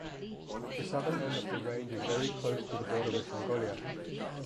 The southern end of the range is very close to the border with Mongolia.